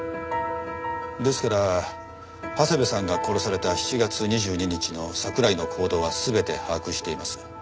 ですから長谷部さんが殺された７月２２日の桜井の行動は全て把握しています。